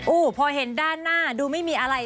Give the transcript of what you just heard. พอเห็นด้านหน้าดูไม่มีอะไร